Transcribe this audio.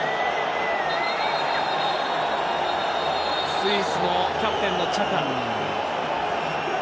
スイスのキャプテンのチャカ。